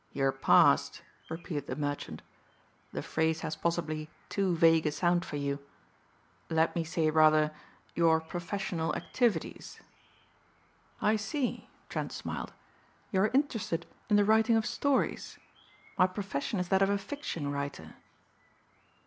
"Your past," repeated the merchant. "The phrase has possibly too vague a sound for you. Let me say rather your professional activities." "I see," Trent smiled, "you are interested in the writing of stories. My profession is that of a fiction writer."